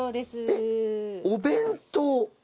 お弁当？